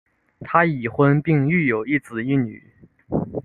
他已婚并育有一子一女。